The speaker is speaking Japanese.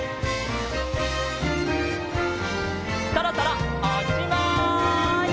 そろそろおっしまい！